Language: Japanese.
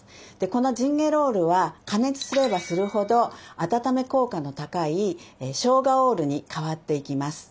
このジンゲロールは加熱すればするほど温め効果の高いショウガオールに変わっていきます。